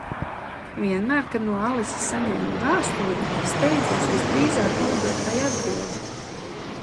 Vienmēr kad no Alises saņēmu vēstulīti, steidzos visdrīzāk nodot tai atbildi.